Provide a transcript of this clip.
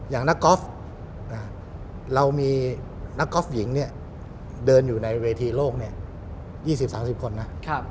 นักกอล์ฟเรามีนักกอล์ฟหญิงเดินอยู่ในเวทีโลก๒๐๓๐คนนะ